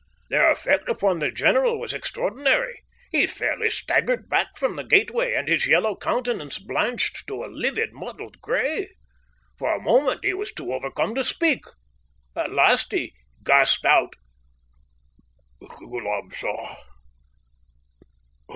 Their effect upon the general was extraordinary. He fairly staggered back from the gateway, and his yellow countenance blanched to a livid, mottled grey. For a moment he was too overcome to speak. At last he gasped out: "Ghoolab Shah?